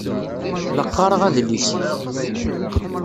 La qqaṛeɣ adlis-ik.